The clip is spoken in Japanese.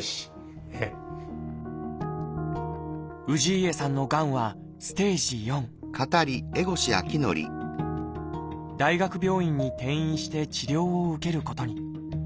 氏家さんのがんは大学病院に転院して治療を受けることに。